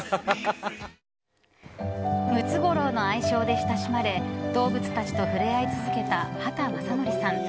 ムツゴロウの愛称で親しまれ動物たちと触れ合い続けた畑正憲さん。